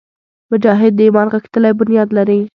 مجاهد د ایمان غښتلی بنیاد لري.